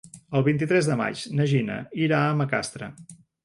El vint-i-tres de maig na Gina irà a Macastre.